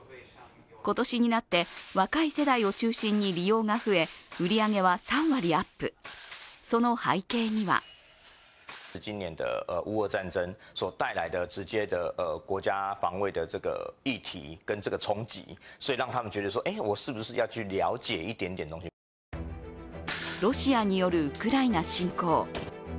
今年になって若い世代を中心に利用が増え売り上げは３割アップ、その背景にはロシアによるウクライナ侵攻。